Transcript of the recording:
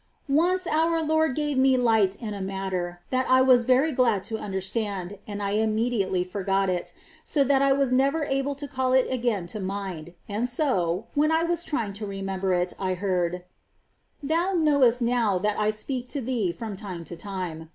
16. Once our Lord gave me light in a matter that I was very glad to understand, and I immediately forgot it, so that I was never able to call it again to mind ; and so, when I was trying to remember it, I heard :" Thou Imowest now that I speak to thee from time to time.